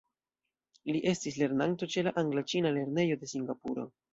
Li estis lernanto ĉe la Angla-Ĉina Lernejo de Singapuro.